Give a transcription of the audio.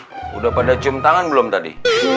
oh iya udah pada cium tangan belum tadi